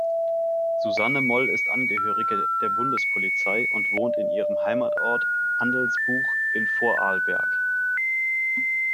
Susanne Moll ist Angehörige der Bundespolizei und wohnt in ihrem Heimatort Andelsbuch in Vorarlberg.